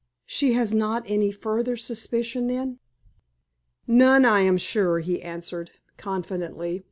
"She has not any further suspicion, then?" "None, I am sure," he answered, confidently.